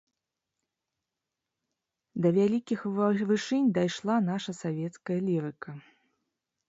Да вялікіх вышынь дайшла наша савецкая лірыка.